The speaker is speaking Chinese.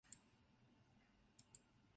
甘道夫建议接应救往瑞文戴尔。